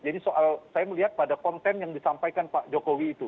jadi soal saya melihat pada konten yang disampaikan pak jokowi itu